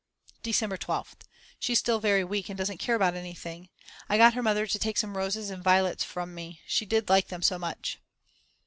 December 12th. She is still very weak and doesn't care about anything; I got her mother to take some roses and violets from me, she did like them so much.